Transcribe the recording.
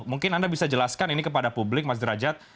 mungkin anda bisa jelaskan ini kepada publik mas derajat